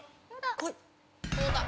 こい！